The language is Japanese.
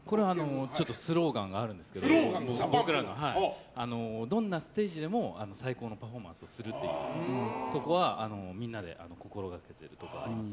スローガンがあるんですけどどんなステージでも最高のパフォーマンスをするということはみんなで心がけていることなんです。